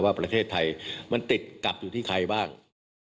ว่าประเทศไทยมันติดกลับอยู่ที่ใครบ้าง